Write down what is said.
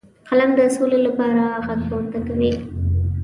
قلم د سولې لپاره غږ پورته کوي